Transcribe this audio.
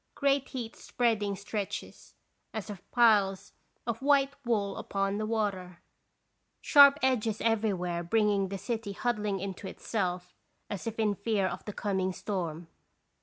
Great heat spreading stretches, as of piles of white wool upon the water. Sharp edges everywhere bringing the city huddling into itself, as in fear of the coming storm.